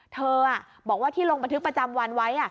เธอบอกว่าที่ลงบันทึกประจำวันไว้